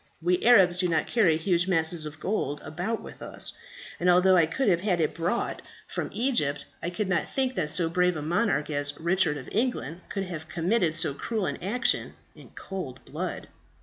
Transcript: We Arabs do not carry huge masses of gold about with us; and although I could have had it brought from Egypt, I did not think that so brave a monarch as Richard of England could have committed so cruel an action in cold blood.